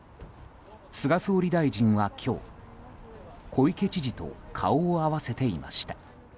菅総理大臣は今日、小池知事と顔を合わせていました。